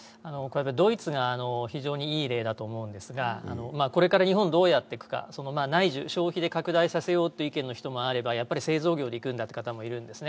ドイツが非常にいい例だと思うんですが、これから日本、どうやっていくか、内需、消費で拡大させようという意見の人もいれば、製造業でいくんだという方もいるんですね。